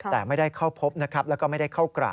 แต่ไม่ได้เข้าพบนะครับแล้วก็ไม่ได้เข้ากราบ